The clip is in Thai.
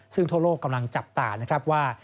ซึ่งทั่วโลกกำลังจับตานะครับว่า